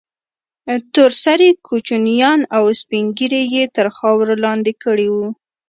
تور سرې كوچنيان او سپين ږيري يې تر خاورو لاندې كړي وو.